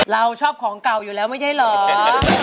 เราชอบของเก่าอยู่แล้วไม่ใช่เหรอ